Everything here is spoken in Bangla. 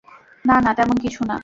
না, না, তেমন কিছু না।